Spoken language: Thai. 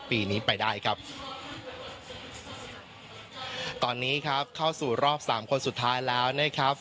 ปีนี้ไปได้ครับตอนนี้ครับเข้าสู่รอบสามคนสุดท้ายแล้วนะครับ